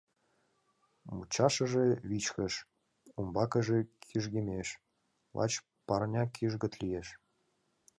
Мучашыже вичкыж, умбакыже кӱжгемеш, лач парня кӱжгыт лиеш.